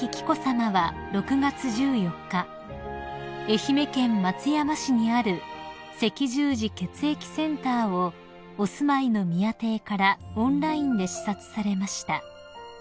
愛媛県松山市にある赤十字血液センターをお住まいの宮邸からオンラインで視察されました］